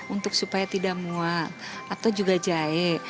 untuk supaya tidak muat atau juga jahe